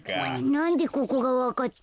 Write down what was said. なんでここがわかったの？